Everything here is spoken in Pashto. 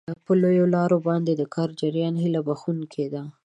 په لویو لارو باندې د کار جریان هیله بښونکی دی.